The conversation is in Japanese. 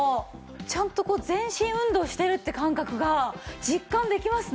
ちゃんとこう全身運動しているって感覚が実感できますね！